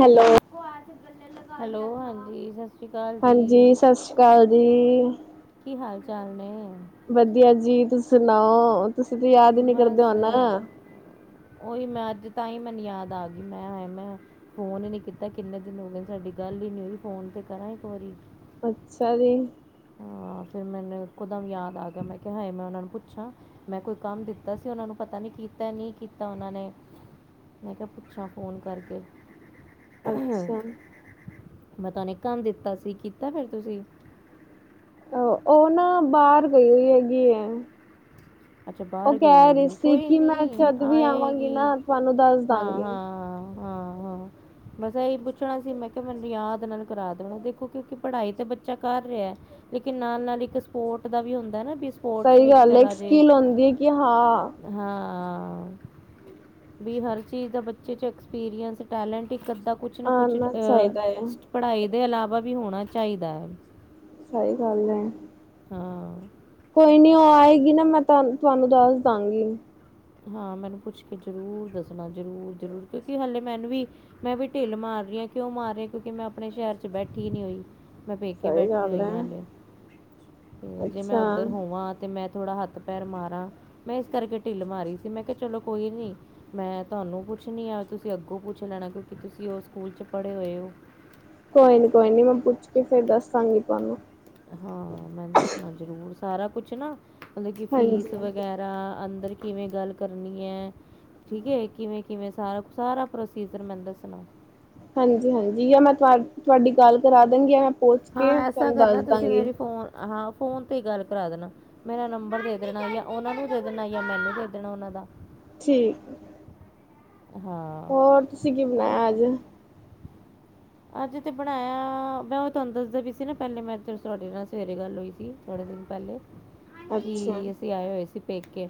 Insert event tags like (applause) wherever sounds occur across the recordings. Hello hello ਹਾਂਜੀ ਸਤ ਹਾਂਜੀ ਸਤਿ ਸ੍ਰੀ ਅਕਾਲ ਜੀ ਕੀ ਹਾਲ -ਚਾਲ ਨੇ ਵਧੀਆ ਜੀ ਤੁਸੀਂ ਸੁਣਾਓ, ਤੁਸੀਂ ਤਾਂ ਯਾਦ ਹੀ ਨੀ ਕਰਦੇ ਬਸ ਹੁਣ ਉਹੀ ਮੈਂ, ਅੱਜ ਤਾਂ ਹੀ ਮੈਨੂੰ ਯਾਦ ਆ ਗਈ, ਮੈਂ ਹਾਯ ਮੈਂ ਫੋਨ ਹੀ ਨੀ ਕੀਤਾ, ਕਿੰਨੇ ਦਿਨ ਹੋ ਗਏ ਨੇ ਸਾਡੀ ਗੱਲ ਹੀ ਨੀ ਹੋਈ, ਫੋਨ ਤੇ ਕਰਾਂ ਇੱਕ ਵਾਰੀ। ਅੱਛਾ ਜੀ ਹਾਂ ਫਿਰ ਮੈਨੂੰ ਇਕੋਦਮ ਯਾਦ ਆ ਗਿਆ। ਮੈਂ ਕਿਹਾ ਹਾਏ ਮੈਂ ਉਹਨਾਂ ਨੂੰ ਪੁੱਛਾਂ। ਮੈਂ ਕੋਈ ਕੰਮ ਦਿੱਤਾ ਸੀ ਉਹਨਾਂ ਨੂੰ ਪਤਾ ਨੀ ਕੀਤਾ ਨਹੀਂ ਕੀਤਾ ਉਹਨਾਂ ਨੇ। ਮੈਂ ਕਿਹਾ, ਪੁੱਛਾਂ ਫ਼ੋਨ ਕਰਕੇ। ਅੱਛਾ ਮੈਂ ਤੁਹਾਨੂੰ ਇੱਕ ਕੰਮ ਦਿੱਤਾ ਸੀ, ਕੀਤਾ ਫਿਰ ਤੁਸੀਂ ਓ ਉਹ ਨਾ ਬਾਰ ਗਈ ਹੋਈ ਐ ਜੀ। ਅੱਛਾ ਬਾਹਰ ਗਈ ਹੋਈ ਹੈ, ਸੀ ਕੋਈ ਕਿ ਮੈਂ ਨਹੀਂ ਜਦ ਵੀ ਆਵਾਂਗੀ ਆਏਗੀ ਨਾ ਤੁਹਾਨੂੰ ਦੱਸ ਹਾਂ- ਦਾਂਗੀ। ਹਾਂ- ਹਾਂ ਹਾਂ, ਹਾਂ। ਬਸ ਏਹੀ ਪੁੱਛਣਾ ਸੀ ਮੈਂ ਕਿਆ ਮੈਨੂੰ ਯਾਦ ਨਾਲ ਕਰਾ ਦੇਣਾ। ਦੇਖੋ ਕਿਉਂਕਿ ਪੜ੍ਹਾਈ ਤੇ ਬੱਚਾ ਕਰ ਰੇਆ। ਲੇਕਿਨ ਨਾਲ-ਨਾਲ ਇੱਕ ਸਪੋਰਟ ਦਾ ਵੀ ਹੁੰਦਾ ਨਾ ਬੀ ਸਈ ਗੱਲ ਏ ਇੱਕ ਸਕੀਲ ਹੁੰਦੀ ਏ ਕਿ ਹਾਂ ਹਾਂ ਵੀ ਹਰ ਚੀਜ਼ ਦਾ ਬੱਚੇ 'ਚ ਐਕਸਪੀਰੀਅੰਸ, ਟੈਲੈਂਟ ਇੱਕ ਅੱਧਾ ਕੁਛ ਨਾ ਕੁਛ ਆਣਾ ਅਹ, ਚਾਹੀਦਾ ਹੈ। ਪੜ੍ਹਾਈ ਦੇ ਇਲਾਵਾ ਵੀ ਹੋਣਾ ਚਾਹੀਦਾ ਹੈ। ਸਹੀ ਗੱਲ ਹੈ। ਹਾਂ। ਕੋਈ ਨੀ, ਉਹ ਆਏਗੀ ਨਾ, ਮੈਂ ਤੁਹਾਨੂੰ ਦੱਸ ਦਵਾਂਗੀ। ਹਾਂ ਮੈ ਉਹਨੂੰ ਪੁੱਛ ਕੇ ਜ਼ਰੂਰ ਦੱਸਣਾ, ਜ਼ਰੂਰ, ਜ਼ਰੂਰ ਕਿਉਂਕਿ ਹਾਲੇ ਮੈਨੂੰ ਵੀ ਮੈਂ ਵੀ ਢਿੱਲ ਮਾਰ ਰਹੀ ਆ, ਕਿਉਂ ਮਾਰ ਰਹੀ, ਕਿਉਂਕਿ ਮੈਂ ਆਪਣੇ ਸ਼ਹਿਰ 'ਚ ਬੈਠੀ ਨੀ ਹੋਈ। ਮੈਂ ਪੇਕੇ ਸਹੀ ਬੈਠੀ ਗੱਲ ਹੋਈ ਹੈ ਹਾਂ ਹਲੇ, ਤੇ ਜੇ ਮੈਂ ਅੱਛਾ ਉੱਧਰ ਹੋਵਾਂ? ਤੇ ਮੈਂ ਥੋੜਾ ਹੱਥ ਪੈਰ ਮਾਰਾ, ਮੈਂ ਇਸ ਕਰਕੇ ਢਿੱਲ ਮਾਰੀ ਸੀ, ਮੈਂ ਕਿਹਾ ਚਲੋ ਕੋਈ ਨੀ ਮੈਂ ਤੁਹਾਨੂੰ ਪੁੱਛਣੀ ਆ, ਤੁਸੀਂ ਅੱਗੋਂ ਪੁੱਛ ਲੈਣਾ, ਕਿਉਂਕਿ ਤੁਸੀਂ ਉਹ ਸਕੂਲ 'ਚ ਪੜ੍ਹੇ ਹੋਏ ਹੋ। ਕੋਈ ਨੀ, ਕੋਈ ਨੀ ਮੈਂ ਪੁੱਛ ਕੇ ਫੇਰ ਦੱਸਾਂਗੀ ਤੁਹਾਨੂੰ। ਹਾਂ, ਮੈਂ ਦੱਸਣਾ ਜਰੂਰ ਸਾਰਾ ਕੁਛ ਨਾ, ਮਤਲਬ ਕਿ ਹਾਂਜੀ ਫੀਸ ਵਗੈਰਾ ਐ ਅੰਦਰ ਕਿਵੇਂ ਗੱਲ ਕਰਨੀ ਹੈ। ਠੀਕ ਏ, ਕਿਵੇਂ- ਕਿਵੇਂ ਸਾਰਾ, ਸਾਰਾ ਪ੍ਰੋਸੀਜਰ ਮੈਨੂੰ ਦੱਸਣਾ ਹਾਂਜੀ- ਹਾਂਜੀ ਯਾ ਮੈਂ ਤੁ ਤੁਹਾਡੀ ਗੱਲ ਕਰਾ ਦਵਾਂਗੀ ਯਾ ਮੈਂ ਪਹੁੰਚ ਹਾਂ, ਕੇ ਐਸਾ ਤੁਹਾਨੂੰ ਦੱਸ ਕਰਨਾ ਤੁਸੀਂ ਦਵਾਂਗੀ। ਮੇਰੀ ਫ਼ੋਨ ਹਾਂ, ਫੋਨ ਤੇ ਗੱਲ ਕਰਾ ਦੇਣਾ। ਮੇਰਾ ਨੰਬਰ ਦੇ ਦੇਣਾ, ਜਾਂ ਉਹਨਾਂ ਨੂੰ ਦੇ ਦੇਣਾ ਜਾਂ ਮੈਨੂੰ ਦੇ ਦੇਣਾ ਉਹਨਾਂ ਦਾ। ਠੀਕ। ਹਾਂ, ਹੋਰ, ਤੁਸੀਂ ਕੀ ਬਣਾਇਆ ਪਤਾ ਅੱਜ। ਅੱਜ ਤਾਂ ਬਣਾਇਆ, ਮੈਂ ਉਹ ਤੁਹਾਨੂੰ ਦੱਸਦਾ ਪਈ ਸੀ ਨਾ ਪਹਿਲੇ ਮੈਂ ਜਦੋਂ ਤੁਹਾਡੇ ਨਾਲ ਸਵੇਰੇ ਗੱਲ ਹੋਈ ਸੀ। ਥੋੜ੍ਹੇ ਦਿਨ ਪਹਿਲੇ, ਅੱਛਾ ਕੀ ਅਸੀਂ ਆਏ ਹੋਏ ਸੀ ਪੇਕੇ।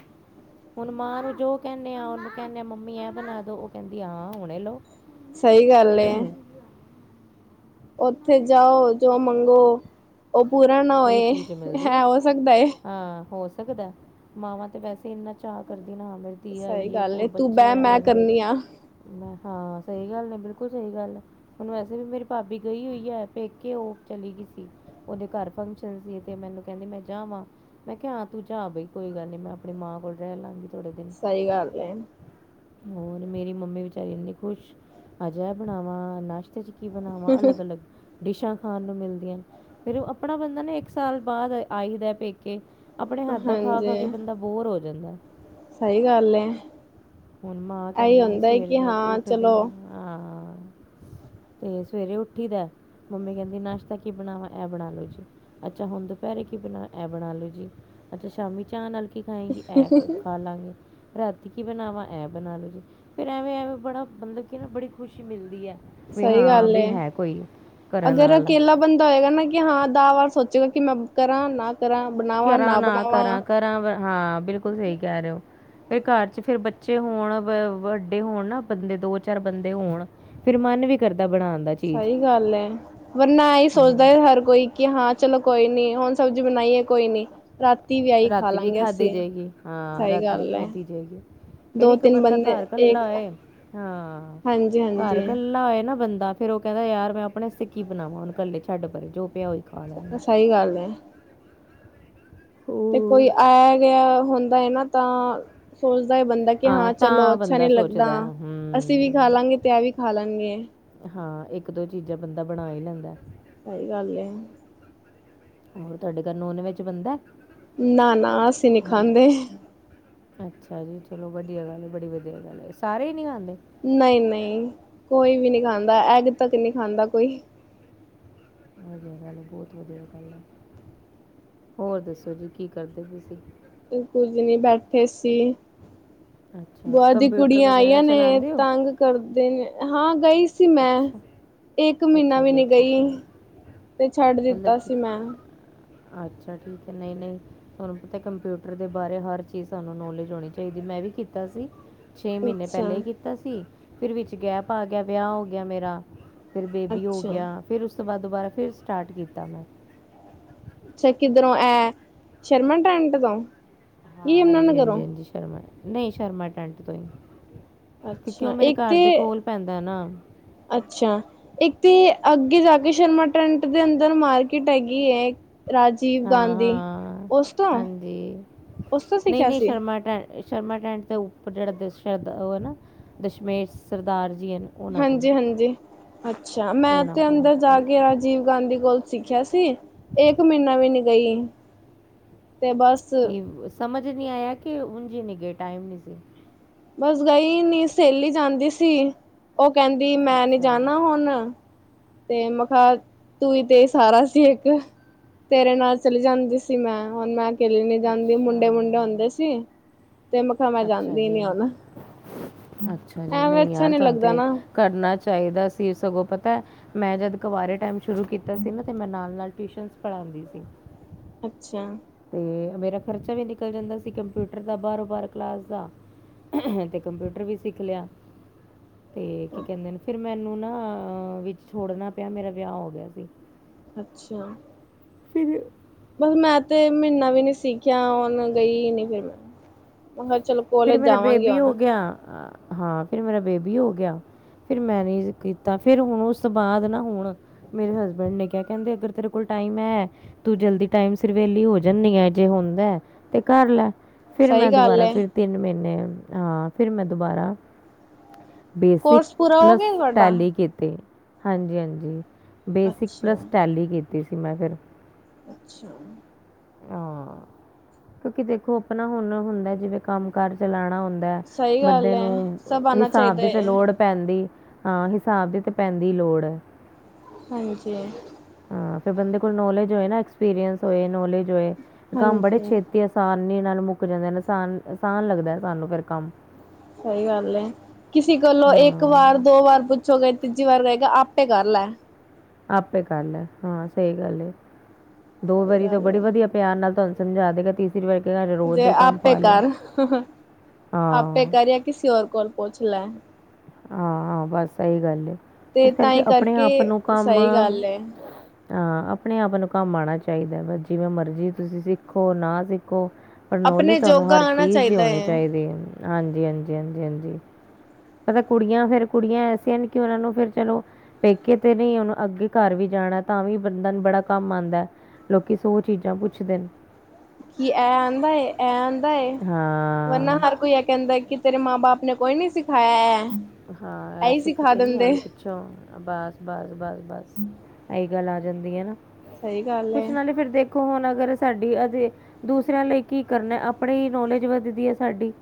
ਹੁਣ ਮਾਂ ਨੂੰ ਜੋ ਕਹਿੰਦੇ ਆ, ਉਹਨੂੰ ਕਹਿੰਦੇ ਆ ਮੰਮੀ ਐਂ ਬਣਾ ਦਿਉ, ਉਹ ਕਹਿੰਦੀ, ਹਾਂ ਹੁਣੇ ਲਓ। ਸਹੀ ਗੱਲ ਏ। ਉੱਥੇ ਜਾਓ, ਜੋ ਮੰਗੋ, ਉਹ ਪੂਰਾ ਨਾ ਉਹੀ ਹੋਏ, ਚੀਜ਼ ਮਿਲਦੀ ਹੈ ਹੋ ਸਕਦਾ ਹੈ। ਹਾਂ, ਹੋ ਸਕਦਾ ਮਾਵਾਂ ਤੇ ਵੈਸੇ ਇੰਨਾ ਚਾਅ ਕਰਦੀਆਂ ਨਾਲੇ? ਸਹੀ ਗੱਲ, ਤੂੰ ਬੈਂ ਮੈਂ ਕਰਨੀ ਆ ਮੈਂ ਹਾਂ ਸਹੀ ਗੱਲ, ਨੇ ਬਿਲਕੁਲ ਸਹੀ ਗੱਲ ਹੁਣ ਵੈਸੇ ਵੀ ਮੇਰੀ ਭਾਬੀ ਗਈ ਹੋਈ ਹੈ ਪੇਕੇ, ਉਹ ਚਲੀ ਗਈ ਸੀ, ਉਹਦੇ ਘਰ ਫੰਕਸ਼ਨ ਸੀ, ਤੇ ਮੈਨੂੰ ਕਹਿੰਦੀ, ਮੈਂ ਜਾਵਾਂ। ਮੈਂ ਕਿਹਾ ਹਾਂ ਤੂੰ ਜਾ, ਬਈ ਕੋਈ ਗੱਲ ਨੀ, ਮੈਂ ਆਪਣੀ ਮਾਂ ਕੋਲ ਰਹਿ ਲਵਾਂਗੀ। ਥੋੜੇ ਦਿਨ, ਸਹੀ ਗੱਲ ਏ ਹੋਰ ਮੇਰੀ ਮੰਮੀ ਵਿਚਾਰੀ ਇੰਨੀ ਖੁਸ਼, ਆਜਾ ਬਣਾਵਾਂ, ਨਾਸ਼ਤੇ 'ਚ ਕੀ ਬਣਾਵਾਂ, ਅਲੱਗ -ਅਲੱਗ, ਡਿਸ਼ਾਂ ਖਾਣ ਨੂੰ ਮਿਲਦੀਆਂ, ਫਿਰ ਆਪਣਾ ਬੰਦਾ ਨਾ ਇੱਕ ਸਾਲ ਬਾਅਦ ਆਈ ਦਾ ਪੇਕੇ, ਆਪਣੇ ਹੱਥ ਦਾ ਖਾ -ਖਾ ਹਾਂਜੀ ਕੇ ਬੰਦਾ ਬੋਰ ਹੋ ਜਾਂਦਾ ਸਹੀ ਗੱਲ ਹੈ। ਹੁਣ ਮਾਂ ਇਹੀ ਕਹਿੰਦੀ ਆ, ਹੁੰਦਾ ਸਵੇਰੇ ਕਿ ਮੈੰ ਹਾਂ ਉੱਠਦੀ ਚਲੋ ਹਾਂ? ਤੇ ਸਵੇਰੇ ਉੱਠੀ ਦਾ, ਮੰਮੀ ਕਹਿੰਦੀ ਨਾਸ਼ਤਾ ਕੀ ਬਣਾਵਾਂ, ਇਹ ਬਣਾ ਲਓ ਜੀ ਅੱਛਾ ਹੁਣ ਦੁਪਹਿਰੇ ਕੀ ਬਣਾ, ਇਹ ਬਣਾ ਲਓ ਜੀ, ਅੱਛਾ ਸ਼ਾਮੀ ਚਾਹ ਨਾਲ? ਕੀ ਖਾਏਗੀ ਐੱਗ ਖਾਲਾਂਗੀ, ਰਾਤੀ ਕੀ ਬਨਾਵਾਂ? ਇਹਂ ਬਣਾ ਲੋ ਜੀ ਫੇਰ ਐਵੇਂ ਐਵੇਂ ਬੜਾ ਮਤਲਬ ਕੀ ਨਾ ਬੜੀ ਖੁਸ਼ੀ ਮਿਲਦੀ ਹੈ। ਵੀ ਸਹੀ ਹਾਂ ਗੱਲ ਵੀ ਏ ਹੈ ਕੋਈ ਕਰਨ ਅਗਰ ਵਾਲਾ। ਅਕੇਲਾ ਬੰਦਾ ਹੋਏਗਾ ਨਾ ਕਿ ਹਾਂ ਦਸ ਵਾਰ ਸੋਚੇਗਾ ਕਿ ਮੈਂ ਕਰਾਂ ਨਾ ਕਰਾਂ ਬਣਾਵਾਂ ਨਾ ਬਣਾਵਾਂ। (unintelligible) ਹਾਂ ਬਿਲਕੁਲ ਸਈ ਕਹਿ ਰਹੇ ਓ। ਫੇਰ ਘਰ ਚ ਫਿਰ ਬੱਚੇ ਹੋਣ ਵੱਡੇ ਹੋਣ ਨਾ ਬੰਦੇ ਦੋ ਚਾਰ ਬੰਦੇ ਹੋਣ ਫੇਰ ਮਨ ਵੀ ਕਰਦਾ ਬਣਾਉਣ ਦਾ ਜੀ। ਸਹੀ ਗੱਲ ਹੈ ਵਰਨਾ ਏਹੀ ਸੋਚਦਾ ਹਾਂ ਹਰ ਕੋਈ ਕਿ ਹਾਂ ਚਲੋ ਕੋਈ ਨ ਹੁਣ ਸਬਜ਼ੀ ਬਣਾਈ ਹੈ ਕੋਈ ਨੀ ਰਾਤੀ ਵੀ ਆਈ ਖਾ ਰਾਤੀ ਵੀ ਲਾਂਗੇ ਖਾਦੀ ਅਸੀਂ ਜਾਏਗੀ ਹਾਂ ਸਹੀ ਰਾਤੀ ਵੀ ਗੱਲ ਹੈ ਖਾਦੀ ਜਾਏਗੀ। ਫਿਰ ਦੋ ਇੱਕ ਤਿੰਨ ਬੰਦਾ ਬੰਦੇ ਘਰ ਇੱਕ ਇਕੱਲਾ ਹੋਏ ਹਾਂ ਹਾਂਜੀ ਘਰ ਹਾਂਜੀ ਇਕੱਲਾ ਹੋਏ ਨਾ ਬੰਦਾ ਫੇਰ ਉਹ ਕਹਿੰਦਾ ਯਾਰ ਮੈਂ ਆਪਣੇ ਵਸਤੇ ਕੀ ਬਣਾਵਾਂ ਹੁਣ ਇਕੱਲੇ ਛੱਡ ਪਰੇ ਜੋ ਪਿਆ ਹੋਇਆ। ਸ ਸਈ ਗੱਲ ਏ। ਤੇ ਹੋਰ ਕੋਈ ਆਇਆ ਗਿਆ ਹੁੰਦਾ ਹੈ ਨਾ ਤਾਂ ਸੋਚਦਾ ਹੈ ਬੰਦੇ ਦਾ ਕਿ ਹਾਂ ਚਲੋ ਤਾਂ ਅੱਛਾ ਬੰਦਾ ਨੀ ਲੱਗਦਾ, ਸੋਚਦਾ ਅਸੀਂ ਵੀ ਖਾ ਹੂੰ ਲਾਂਗੇ ਤੇ ਐ ਵੀ ਖਾ ਲੈਨਗੇ ਹਾਂ, ਇੱਕ- ਦੋ ਚੀਜ਼ਾਂ ਬੰਦਾ ਬਣਾ ਹੀ ਲੈਂਦਾ। ਸਈ ਗੱਲ ਏ। ਹੋਰ ਤੁਆਡੇ ਘਰ ਨੋਨ ਵੇਜ ਬੰਦੈ? ਨਾ- ਨਾ ਅਸੀਂ ਨਹੀਂ ਖਾਂਦੇ ਅੱਛਾ ਜੀ ਚਲੋ ਵਧੀਆ ਗੱਲ ਐ ਬੜੀ ਵਧੀਆ ਗੱਲ ਐ, ਸਾਰੇ ਈ ਨੀ ਖਾਂਦੇ? ਨਹੀਂ- ਨਹੀਂ ਕੋਈ ਵੀ ਨਹੀਂ ਖਾਂਦਾ ਐਗ ਤੱਕ ਨਹੀਂ ਖਾਂਦਾ ਕੋਈ। ਵਦੀਆ ਗੱਲ ਬਹੁਤ ਵਦੀਆ ਗੱਲ ਆ। ਹੋਰ ਦੱਸੋ ਜੀ ਕੀ ਕਰਦੇ ਪੇ ਸੀ? ਕੁਝ ਨਹੀਂ ਬੈਠੇ ਸੀ। ਅੱਛਾ ਬਾਹਰ ਦੀ ਕੰਪਿਊਟਰ ਕੁੜੀਆਂ ਵਗੈਰਾ ਆਈਆਂ ਨੇ ਚਲਾਉਂਦੇ ਹੋ ਤੰਗ ਕਰਦੇ ਨੇ ਹਾਂ ਗਈ ਸੀ। ਸੀ ਮੈਂ ਅੱਛਾ ਇੱਕ ਮਹੀਨਾ ਅੱਛਾ ਵੀ ਜੀ ਨੀ ਅੱਛਾ ਗਈ ਅੱਛਾ ਤੇ ਛੱਡ ਮਤਲਬ ਦਿੱਤਾ ਕਿ ਸੀ ਮੈਂ। ਅੱਛਾ। ਠੀਕ ਹੈ ਨਹੀਂ- ਨਹੀਂ। ਤੁਹਾਨੂੰ ਪਤਾ ਕੰਪਿਊਟਰ ਦੇ ਬਾਰੇ ਹਰ ਚੀਜ਼ ਸਾਨੂੰ ਨੌਲੇਜ ਹੋਣੀ ਚਾਈਦੀ ਮੈਂ ਵੀ ਕੀਤਾ ਸੀ। ਛੇ ਮਹੀਨੇ ਪਹਿਲੇ ਅੱਛਾ-ਅੱਛਾ ਹੀ ਕੀਤਾ ਸੀ ਫਿਰ ਵਿੱਚ ਗੈਪ ਆ ਗਿਆ ਵਿਆਹ ਹੋ ਗਿਆ ਮੇਰਾ ਫਿਰ ਬੇਬੀ ਹੋ ਅੱਛਾ ਗਿਆ ਫਿਰ ਉਸ ਤੋਂ ਬਾਅਦ ਦੁਬਾਰਾ ਫਿਰ ਸਟਾਰਟ ਕੀਤਾ ਮੈਂ। ਅੱਛਾ ਕਿੱਧਰੋਂ ਐ ਸ਼ਰਮਾ ਟਰੈਂਟ ਤੋਂ। ਹਾਂ, ਯਮੁਨਾ ਹਾਂਜੀ- ਹਾਂਜੀ- ਨਗਰੋਂ ਹਾਂਜੀ ਸ਼ਰਮਾ ਨਹੀਂ ਸ਼ਰਮਾ ਟੈਂਟ ਤੋਂ ਹੀ ਕਿਉ ਅੱਛਾ ਮੇਰੇ ਇੱਕ ਘਰ ਦੇ ਤੇ ਕੋਲ ਪੈਂਦਾ ਨਾ। ਅੱਛਾ। ਇੱਕ ਤੇ ਅੱਗੇ ਜਾ ਕੇ ਸ਼ਰਮਾ ਟੈਂਟ ਦੇ ਅੰਦਰ ਮਾਰਕੀਟ ਹੈਗੀ ਏ, ਰਾਜ ਹਾਂ- ਹਾਂ ਹਾਂਜੀ ਉਸ ਤੋਂ ਨਹੀਂ- ਸਿੱਖਿਆ ਨਹੀਂ ਸੀ ਸ਼ਰਮਾ ਟ ਸ਼ਰਮਾ ਟੈਂਟ ਦੇ ਉੱਪਰ ਜਿਹੜਾ ਦ ਸ਼ਰਧਾ ਉਹ ਹੈ ਨਾ ਦਸ਼ਮੇਸ਼ ਸਰਦਾਰ ਜੀ ਹਨ। ਉਹਨਾਂ ਕੋਲ ਹਾਂਜੀ-ਹਾਂਜੀ, ਅੱਛਾ ਮੈਂ ਉਹਨਾਂ ਤੇ ਕੋਲ ਅੰਦਰ ਜਾ ਔਰ ਕੇ ਆਜ ਰਾਜੀਵ ਗਾਂਧੀ ਕੋਲ ਸਿੱਖਿਆ ਸੀ ਇੱਕ ਮਹੀਨਾ ਵੀ ਨੀ ਗਈ ਤੇ ਬਸ ਕਿ ਸਮਝ ਨਹੀਂ ਆਇਆ ਕਿ ਉਂਝ ਨਹੀਂ ਗਏ ਟਾਈਮ ਨਹੀਂ ਸੀ। ਬਸ ਗਈ ਨੀ ਸਹੇਲੀ ਜਾਂਦੀ ਸੀ ਉਹ ਕਹਿੰਦੀ ਮੈਂ ਨੀ ਅੱਛਾ ਜਾਣਾ ਹੁਣ ਤੇ ਮੈਂ ਕਿਹਾ ਤੂੰ ਹੀ ਤੇ ਸਹਾਰਾ ਸੀ ਇੱਕ। ਤੇਰੇ ਨਾਲ ਚਲੀ ਜਾਂਦੀ ਸੀ ਮੈਂ ਹੁਣ ਮੈਂ ਅਕੇਲੀ ਨੀ ਜਾਂਦੀ ਅੱਛਾ ਮੁੰਡੇ- ਮੁੰਡੇ ਹੁੰਦੇ ਸੀ। ਤੇ ਮੈਂ ਕਿਹਾ ਮੈਂ ਅੱਛਾ ਜਾਂਦੀ ਨੀ ਹੁਣ ਜੀ- ਅੱਛਾ ਜੀ। ਐਵੇਂ ਨਈ ਅੱਛਾ ਯਾਰ ਨੀ ਤਹਾਨੂੰ ਲੱਗਦਾ ਤੇ ਨਾ ਕਰਨਾ ਚਾਈਦਾ ਸੀ ਸਗੋਂ ਪਤੈ ਮੈਂ ਜਦ ਕਵਾਰੇ ਟੈਮ ਸ਼ੁਰੂ ਕੀਤਾ ਸੀ ਨਾ ਤੇ ਮੈਂ ਨਾਲ-ਨਾਲ ਟੂਇਸ਼ਨਸ ਪੜਾਂਦੀ ਸੀ। ਅੱਛਾ। ਤੇ ਮੇਰਾ ਖਰਚਾ ਵੀ ਨਿਕਲ ਜਂਦਾ ਸੀ ਕੰਪਿਊਟਰ ਦਾ ਬਾਰੋਂ ਬਾਰ ਕਲਾਸ ਦਾ। ਅਤੇ ਕੰਪਿਊਟਰ ਵੀ ਸਿੱਖ ਲਿਆ। ਤੇ ਕੀ ਕਹਿੰਦੇ ਨੇ ਫਿਰ ਮੈਨੂੰ ਨਾ ਵਿੱਚ ਛੋੜਨਾ ਪਿਆ ਮੇਰਾ ਵਿਆਹ ਹੋ ਗਿਆ ਸੀ। ਅੱਛਾ। ਫਿਰ ਬਸ ਮੈਂ ਤੇ ਮਹੀਨਾ ਵੀ ਨੀ ਸਿੱਖਿਆ ਹੁਣ ਗਈ ਨੀ ਫਿਰ ਮੈਂ ਮੈਂ ਕਿਹਾ ਚਲੋ ਕੋਲੇਜ ਜਾਵਾਂਗੇ ਹੁਣ। ਜਾਂ ਹਾਂ, ਫਿਰ ਮੇਰਾ ਬੇਬੀ ਹੋ ਗਿਆ ਫਿਰ ਮੈਂ ਨਹੀ ਕੀਤਾ ਫਿਰ ਹੁਣ ਉਸ ਤੋਂ ਬਾਅਦ ਨਾ ਹੁਣ ਮੇਰੇ ਹਸਬੈਂਡ ਨੇ ਕਿਹਾ ਕਹਿੰਦੇ ਅਗਰ ਤੇਰੇ ਕੋਲ ਟਾਈਮ ਹੈ ਤੂੰ ਜਲਦੀ ਟਾਈਮ ਸਿਰ ਵੇਲੀ ਹੋ ਜਾਂਦੀ ਆ, ਜੇ ਹੁੰਦਾ ਤੇ ਕਰ ਲੈ ਸਹੀ ਗੱਲ ਹੈ। ਤਿੰਨ ਮਹੀਨੇ ਹਾਂ ਫਿਰ ਮੈਂ ਦੁਬਾਰਾ ਬੇਸਿਕ ਕੋਰਸ ਪੂਰਾ ਹੋ ਪਲਸ ਗਿਆ ਤੁਹਾਡਾ ਟੈਲਿਕ ਕੀਤੀ। ਹਾਂਜੀ- ਹਾਂਜੀ, ਬੇਸਿਕ ਅੱਛਾ ਪਲੱਸ ਟੈਲੀ ਕੀਤੀ ਸੀ ਮੈਂ ਫਿਰ ਅੱਛਾ। ਹਾਂ, ਕਿਉਂਕਿ ਦੇਖੋ ਆਪਣਾ ਹੁਣ ਹੁੰਦਾ ਜਿਵੇਂ ਕੰਮ ਕਾਰ ਚਲਾਉਣਾ ਹੁੰਦਾ ਸਹੀ ਬੰਦੇ ਗੱਲ ਹੈ ਨੂੰ ਸਭ ਆਣਾ ਹਿਸਾਬ ਚਾਹੀਦਾ ਦੀ ਤੇ ਹੈ ਲੋੜ ਪੈਂਣਦੀ ਹਾਂ ਹਿਸਾਬ ਦੀ ਤੇ ਪੈਂਣ ਦੀ ਲੋੜ ਹੈ। ਹਾਂਜੀ। ਹਾਂ, ਫਿਰ ਬੰਦੇ ਕੋਲ ਨੋਲੇਜ ਹੋਏ ਨਾ ਐਕਸਪੀਰੀਸ ਹੋ ਨੋਲੇਜ ਹੋਏ ਕੰਮ ਬੜੇ ਹਾਂਜੀ ਛੇ, ਤੇ ਆਸਾਨੀ ਨਾਲ ਮੁੱਕ ਜਾਂਦੇ ਹਨ ਆਸਾਨ ਆਸਾਨ ਲੱਗਦਾ ਸਾਨੂੰ ਫਿਰ ਕੰਮ। ਸਹੀ ਗੱਲ ਏ, ਕਿਸੀ ਕੋਲੋਂ ਇੱਕ ਹਾਂ ਵਾਰ ਦੋ ਵਾਰ ਪੁੱਛ ਹੋ ਗਏ ਤੀਜੀ ਵਾਰ ਕਏਗਾ ਆਪੇ ਕਰ ਲੈ। ਆਪੇ ਕਰ ਲੈ ਹਾਂ ਸਹੀ ਗੱਲ, ਦੋ ਸਹੀ ਵਾਰੀ ਤੋਂ ਗੱਲ ਬੜੀ ਵਦੀਆ ਹੈ ਪਿਆਰ ਨਾਲ ਤਾਨੂੰ ਸਮਝਾ ਦੇਗਾ (unintelligible) ਜੇ ਕੰਮ ਆਪ ਪੇ ਪਾ ਲਿਆ ਕਰ ਆਪ ਪੇ ਹਾਂ ਕਰ ਜਾਂ ਕਿਸੀ ਔਰ ਕੋਰ ਪੱਛ ਲੈ ਹੈ। ਹਾਂ, ਹਾਂ ਬਸ ਓਹੀ ਗੱਲ ਏ ਤੇ ਇਸ ਕਰਕੇ ਤਾਂਹੀ ਆਪਣੇ ਆਪ ਨੂੰ ਕੰਮ ਸਹੀ ਗੱਲ ਏ ਹਾਂ ਆਪਣੇ ਆਪ ਨੂੰ ਕੰਮ ਆਣਾ ਚਾਹੀਦਾ ਬ ਜਿਵੇਂ ਮਰਜ਼ੀ ਤੁਸੀਂ ਸਿੱਖੋ ਨਾ ਸਿੱਖੋ। ਪਰ ਨੋਲੇਜ ਆਪਣੇ ਤੁਹਾਨੂੰ ਜੋਗਾ ਹਰ ਆਣਾ ਚੀਜ਼ ਦੀ ਚਾਹੀਦਾ ਹੋਣੀ ਏ ਚਾਹੀਦੀ, ਹਾਂਜੀ, ਹਾਂਜੀ ਹਾਂਜੀ, ਹਾਂਜੀ। ਪਤਾ ਕੁੜੀਆਂ ਫੇਰ ਕੁੜੀਆਂ ਐਸੀਆਂ ਨੇ ਕਿ ਓਨਾਂ ਨੂੰ ਫਿਰ ਚਲੋ। ਪੇਕੇ ਤੇ ਨਹੀਂ ਓਨੂੰ ਅੱਗੇ ਘਰ ਵੀ ਜਾਣਾ ਤਾਂ ਵੀ ਬੰਦੇ ਨੂੰ ਬੜਾ ਕੰਮ ਆਂਦਾ। ਲੋਕੀ ਸੌ ਚੀਜ਼ਾਂ ਪੁੱਛਦੇ ਨੇ, ਕੀ ਐ ਆਂਦਾ ਐ ਆਂਦਾ ਏ ਵਰਨਾ ਹਾਂ, ਹਰ ਕੋਈ ਐ ਕੈਂਦਾ ਕਿ ਤੇਰੇ ਮਾਂ ਬਾਪ ਨੇ ਕੋਈ ਨੀ ਸਿਖਾਇਆ ਹੈ ਇਹੀ ਸਿਖਾ ਦਿੰਦੇ। ਅੱਛਾ ਬਸ ਬਸ ਬਸ ਬਸ ਇਹੀ ਗੱਲ ਆ ਜਾਂਦੀ ਹੈ ਨਾ। ਸਹੀ ਗੱਲ ਏ ਕੁਛ ਨਾਲੇ ਫਿਰ ਦੇਖੋ ਹੁਣ ਅਗਰ ਸਾਡੀ ਅਜ ਦੂਸਰਿਆਂ ਲਈ ਕੀ ਕਰਨਾ ਆਪਣੀ ਨੌਲੇਜ ਵੱਦਦੀ ਹੈ ਸਾਡੀ।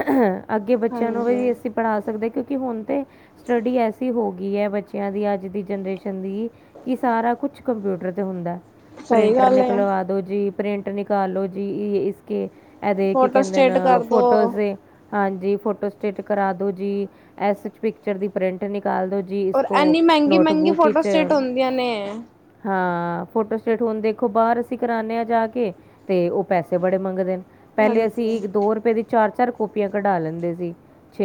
ਅ ਅੱਗੇ ਬੱਚਿਆਂ ਨੂੰ ਵੀ ਹਾਂਜੀ ਅਸੀਂ ਪੜ੍ਹਾ ਸਕਦਾ, ਕਿਉਂਕਿ ਹੁਣ ਤੇ ਸਟੱਡੀ ਐਸੀ ਹੋ ਗਈ। ਹੈ ਬੱਚਿਆਂ ਦੀ ਅੱਜ ਦੀ ਜਨਰੇਸ਼ਨ ਦੀ ਕਿ ਸਾਰਾ ਕੁਛ ਕੰਪਿਊਟਰ ਤੇ ਹੁੰਦਾ। ਸਹੀ ਪ੍ਰਿੰਟਰ ਗੱਲ ਏ ਨਿਕਲਵਾ ਦੋ ਜੀ ਪ੍ਰਿੰਟ ਨਿਕਾਲ ਦੋ ਜੀ ਇਸ ਇਦੇ ਕੀ ਫੋਟੋ ਕਹਿੰਦੇ ਸਟੇਟ ਨਾ ਕਰਦੋ ਫੋਟੋਜ਼ ਦੇ ਹਾਂਜੀ ਫੋਟੋ ਸਟੇਟ ਕਰਾ ਦੋ ਜੀ, ਐਸ ਪਿਕਚਰ ਦੀ ਪ੍ਰਿੰਟ ਨਿਕਾਲ ਦੋ ਜੀ। ਜੀ ਇਸ ਔਰ ਕੋੋ ਇੰਨੀ ਮਹਿੰਗੀ ਮਹਿੰਗੀ ਨੋਟਬੁੱਕ ਫੋਟੋ ਸਟੇਟ ਹੁੰਦੀਆਂ ਨੇ ਹਾਂ ਫੋਟੋ ਸਟੇਟ ਹੁਣ ਦੇਖੋ ਬਾਹਰ ਅਸੀਂ ਕਰਾਂਦੇ ਹਾਂ ਜਾ ਕੇ ਤੇ ਉਹ ਪੈਸੇ ਬੜੇ ਮੰਗਦੇ ਨੇ ਪਹਿਲੇ ਅਸੀਂ ਹਾਂਜੀ ਇੱਕ ਦੋ ਰੁਪਏ ਦੀ ਚਾਰ ਚਾਰ ਕਾਪੀਆਂ ਕਢਾ ਲੈਂਦੇ ਸੀ।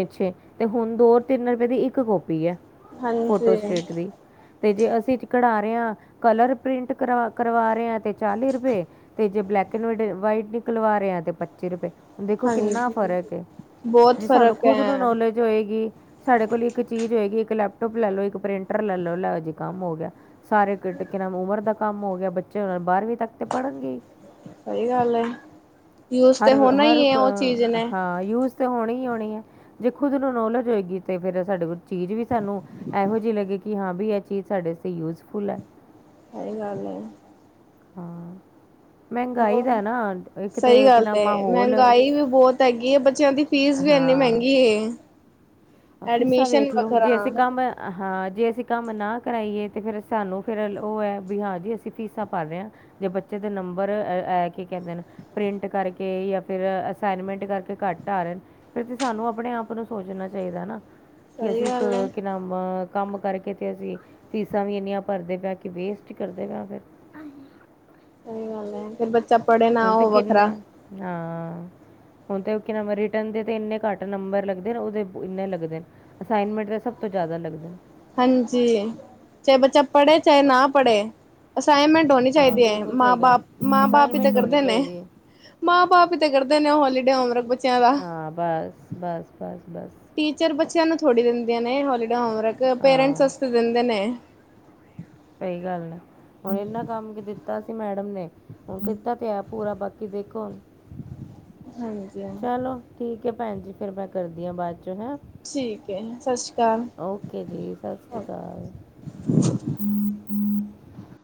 ਅੱਛਾ ਤੇ ਹੁਣ ਦੋ ਤਿੰਨ ਰੁਪਏ ਦੀ ਇੱਕ ਕਾਪੀ ਆ ਫੋਟੋ ਹਾਂਜੀ ਸਟੇਟ ਦੀ। ਤੇ ਜੇ ਅਸੀਂ ਕਢਾ ਰਹੇ ਹਾਂ ਕਲਰ ਪ੍ਰਿੰਟ ਕਰਵਾ ਕਰਵਾ ਰਹੇ ਹਾਂ ਤੇ ਚਾਲੀ ਰੁਪਏ ਤੇ ਜੇ ਬਲੈਕ ਐਡ ਵਾਈਟ ਨਿਕਲਵਾ ਰੇਆਂ ਤੇ ਪੱਚੀ ਰੁਪਏ। ਦੇਖੋ ਕਿੰਨਾ ਹਾਂਜੀ ਫ਼ਰਕ ਏ ਬਹੁਤ ਜੇ ਸਾਨੂੰ ਫ਼ਰਕ ਖੁਦ ਨੂੰ ਹੈ ਨੌਲੇਜ ਹੋਏਗੀ ਸਾਡੇ ਕੋਲ ਇੱਕ ਚੀਜ਼ ਹੋਏਗੀ ਇੱਕ ਲੈਪਟੋਪ ਲੈ ਲਓ ਇੱਕ ਪ੍ਰਿੰਟਰ ਲੈ ਲਓ ਲੈ ਜੀ ਕੰਮ ਹੋ ਗਿਆ। ਸਾਰੇ ਟਕੇ ਨਾਮ ਉਮਰ ਦਾ ਕੰਮ ਹੋ ਗਿਆ, ਬੱਚੇ ਉਹਨਾਂ ਬਾਰਰਵੀਂ ਤੱਕ ਤੇ ਪੜ੍ਹਨਗੇ ਹੀ। ਸਹੀ ਗੱਲ ਐ। ਹਰ ਹਰ ਨੇ ਹਾਂ ਯੂਜ ਹੋਣੀ ਹੀ ਹੋਣੀ ਹੈ, ਜੇ ਖੁਦ ਨੂੰ ਨੋਲੇਜ ਹੋਏਗੀ ਤੇ ਫੇਰ ਸਾਡੇ, ਚੀਜ਼ ਵੀ ਸਾਨੂੰ ਇਹੋ ਜਿਹੀ ਲੱਗੀ ਕਿ ਹਾਂ ਵੀ ਇਹ ਚੀਜ਼ ਸਾਡੇ ਯੂਜਫੁਲ ਹੈ। ਸਹੀ ਗੱਲ ਹੈ। ਹਾਂ। ਮਹਿੰਗਾਈ ਦਾ ਨਾ ਇੱਕ ਸਹੀ ਤੇ ਕਿ ਗੱਲ ਨਾਮ ਮਾਹੌਲ ਅਹ ਮਹਿੰਗਾਈ ਵੀ ਬਹੁਤ ਹੈਗੀ ਹੈ ਬੱਚਿਆਂ ਦੀ ਫੀਸ ਵੀ ਇੰਨੀ ਮੈਂਗੀ ਹੈ। ਫੀਸਾ ਵੇਖਲੋ ਜੇ ਅਸੀਂ ਕੰਮ ਹਾਂ ਜੇ ਅਸੀਂ ਕੰਮ ਨਾ ਕਰਾਈਏ, ਤੇ ਫਿਰ ਸਾਨੂੰ ਫਿਰ ਉਹ ਹੈ ਵੀ ਹਾਂਜੀ ਅਸੀਂ ਫੀਸਾਂ ਭਰ ਰਹੇ ਹਾਂ। ਜੇ ਬੱਚੇ ਦੇ ਨੰਬਰ ਐ ਕੇ ਕੈਂਦੇ ਨੇ, ਪ੍ਰਿੰਟ ਕਰਕੇ ਜਾਂ ਫਿਰ ਅਸਾਈਨਮੈਂਟ ਕਰਕੇ ਘੱਟ ਆ ਰਹੇ। ਫਿਰ ਤੇ ਸਾਨੂੰ ਆਪਣੇ ਆਪ ਨੂੰ ਸੋਚਣਾ ਚਾਈਦਾ ਨਾ ਕਿ ਸਹੀ ਅਸੀਂ ਇੱਕ ਗੱਲ ਹੈ ਕੰਮ ਕਰਕੇ ਤੇ ਅਸੀਂ ਫੀਸਾਂ ਵੀ ਇੰਨੀਆਂ ਭਰਦੇ ਪਏ ਕਿ ਵੇਸਟ ਕਰਦੇ ਪਿਆ ਫਿਰ। ਸਹੀ ਗੱਲ ਹੈ ਫਿਰ ਪੜ੍ਹੇ ਨਾ ਹੁਣ ਤੇ ਉਹ ਵੱਖਰਾ ਕਿੰਨੇ ਹਾਂ ਹੁ ਤੇ ਕਿ ਨਾਮ ਰਿਟਨ ਦੇ ਇੰਨੇ ਘੱਟ ਨੰਬਰ ਲੱਗਦੇ ਉਦੇ ਇੰਨੇ ਲੱਗਦੇ ਨੇ। ਅਸਾਈਨਮੈਂਟ ਦੇ ਸਭ ਤੋਂ ਜਿਆਦਾ ਲੱਗ਼ਦੇ। ਹਾਂਜੀ, ਚਾਹੇ ਬੱਚਾ ਪੜ੍ਹੇ ਚਾਹੇ ਨਾ ਪੜ੍ਹੇ ਅਸਾਈਨਮੈਂਟ ਹੋਣੀ ਹਾਂ ਚਾਹੀਦੀ ਹੈ ਬਿਲਕੁਲ ਮਾਂ ਸਹੀ ਗੱਲ ਬਾਪ ਮਾਂ ਬਾਪ ਹੀ ਤਾਂ ਅਸਾਈਨਮੈਂਟ ਹੋਣੀ ਕਰਦੇ ਨੇ। ਚਾਹੀਦੀ ਹੈ ਮਾਂ-ਬਾਪ ਹੀ ਤੇ ਕਰਦੇ ਨੇ ਉਹ ਹੋਲੀਡੇ ਉਮਰਕ ਬੱਚਿਆਂ ਦਾ। ਬਸ-ਬਸ ਟੀਚਰ ਬੱਚਿਆਂ ਨੂੰ ਥੋੜ੍ਹੀ ਦਿੰਦੀਆਂ ਨੇ ਹੋਲੀਡੇ ਹੋਮਰਕ ਪੇਰੈਂਟਸ ਹਾਂ ਵਾਸਤੇ ਦਿੰਦੇ ਨੇ। ਸਹੀ ਗੱਲ ਆ। ਹੁਣ ਇਹਨਾ ਕੰਮ ਕੀ ਦਿੱਤਾ ਸੀ ਮੈਡਮ ਨੇ, ਹੁਣ ਕੀਤਾ ਪਿਆ ਪੂਰਾ ਬਾਕੀ ਦੇਖੋ। ਹਾਂਜੀ ਹਾਂ। ਚਲੋ ਠੀਕ ਹੈ ਭੈਣ ਜੀ ਫੇਰ ਮੈਂ ਕਰਦੀ ਹਾਂ ਬਾਅਦ ਚ ਹੈਂ। ਠੀਕ ਹੈ ਸਤਿ ਸ਼੍ਰੀ ਅਕਾਲ। ਓਕੇ ਜੀ ਸਤਿ ਸ਼੍ਰੀ ਓਕੇ ਅਕਾਲ।